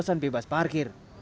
kami juga memperluas parkir